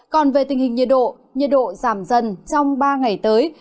còn về tình hình nhiệt độ nhiệt độ giảm dần trong ba ngày tới